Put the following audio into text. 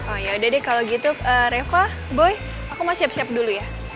oh ya udah deh kalo gitu reva boy aku mau siap siap dulu ya